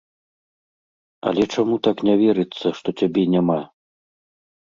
Але чаму так не верыцца што цябе няма?